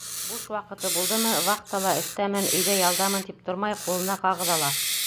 Буш ваҡыты булдымы, вахтала эштәмен, өйҙә ялдамын тип тормай, ҡулына ҡағыҙ ала.